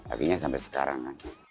akhirnya sampai sekarang